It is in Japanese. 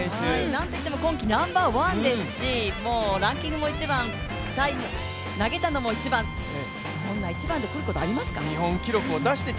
なんといっても今季ナンバーワンですしランキングも１番、投げたのも１番、こんな１番で来ることありますか？